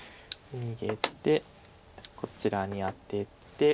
逃げてこちらにアテて。